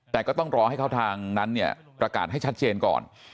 แต่ก็ต้องรอให้เขาทางนั้นเนี่ยประกาศให้ชัดเจนก่อน